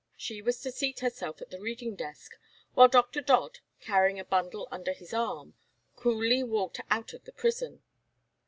She was to seat herself at the reading desk while Dr. Dodd, carrying a bundle under his arm, coolly walked out of the prison.